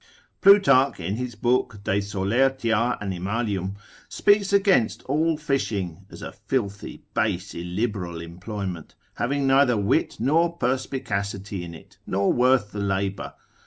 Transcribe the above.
Plutarch, in his book de soler. animal. speaks against all fishing, as a filthy, base, illiberal employment, having neither wit nor perspicacity in it, nor worth the labour.